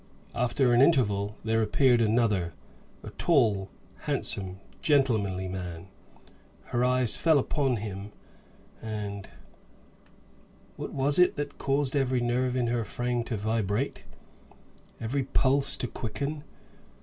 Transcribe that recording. After an interval, there appeared another, a tall, handsome, gentlemanly man. Her eyes fell upon him; and what was it that caused every nerve in her frame to vibrate, every pulse to quicken?